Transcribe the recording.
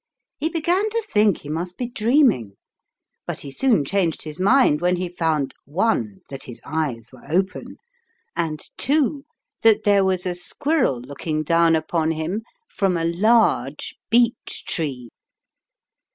He began to think he must be dreaming, but soon changed his mind when he found (i) that his eyes were open, and (2) that there was a squirrel looking down upon him from a large beech tree.